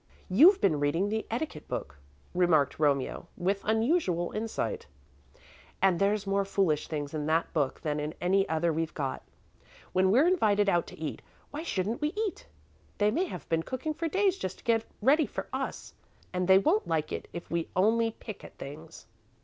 "You've been reading the etiquette book," remarked Romeo, with unusual insight, "and there's more foolish things in that book than in any other we've got. When we're invited out to eat, why shouldn't we eat? They may have been cooking for days just to get ready for us and they won't like it if we only pick at things."